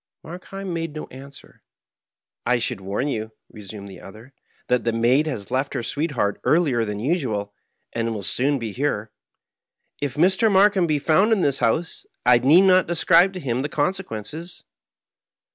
Harkheim made no answer. " I diould warn you/' resumed the other, " that the maid has left her sweetheart earlier than usual and will soon be here. If Mr. Markheim be found in this house, I need not describe to him the consequences."